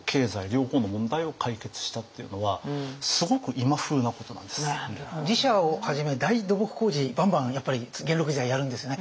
要は寺社をはじめ大土木工事ばんばんやっぱり元禄時代やるんですよね。